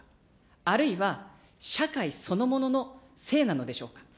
あるいは社会そのもののせいなのでしょうか。